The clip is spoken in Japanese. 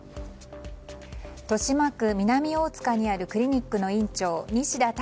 豊島区南大塚にあるクリニックの院長西田隆